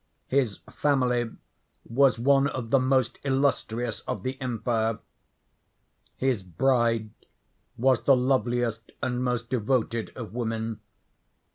His family was one of the most illustrious of the empire. His bride was the loveliest and most devoted of women.